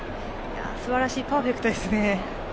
すばらしい、パーフェクトですね。